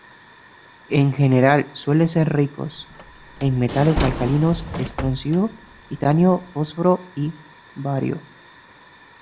En general suelen ser ricos en metales alcalinos, estroncio, titanio, fósforo y bario.